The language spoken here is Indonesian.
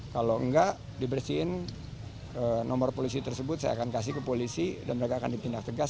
kalau enggak dibersihin nomor polisi tersebut saya akan kasih ke polisi dan mereka akan ditindak tegas